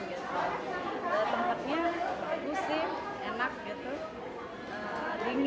tempatnya musim enak dingin